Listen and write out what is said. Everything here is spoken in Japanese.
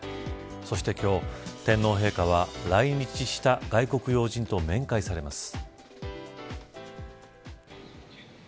そして今日、天皇陛下は来日した外国要人と面会されます。